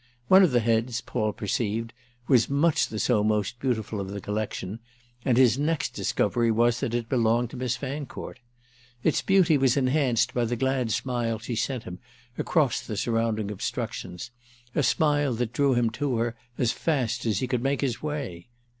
One of the heads Paul perceived, was much the so most beautiful of the collection, and his next discovery was that it belonged to Miss Fancourt. Its beauty was enhanced by the glad smile she sent him across surrounding obstructions, a smile that drew him to her as fast as he could make his way.